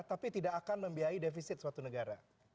tapi tidak akan membiayai defisit suatu negara